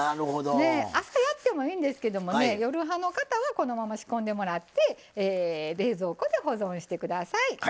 朝やってもいいんですけども夜派の方はこのまま仕込んでもらって冷蔵庫で保存してください。